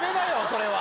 それは。